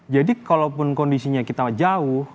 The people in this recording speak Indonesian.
jadi kalau pun kondisinya kita jauh